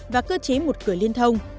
và cơ chế một cửa liên thông